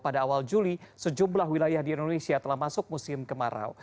pada awal juli sejumlah wilayah di indonesia telah masuk musim kemarau